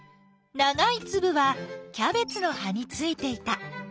ながいつぶはキャベツの葉についていた。